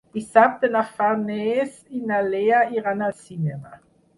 Dissabte na Farners i na Lea iran al cinema.